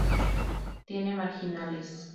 Tiene marginales.